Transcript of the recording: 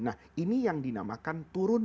nah ini yang dinamakan turun